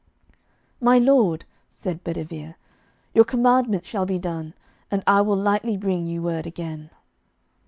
"My lord," said Bedivere, "your commandment shall be done, and I will lightly bring you word again."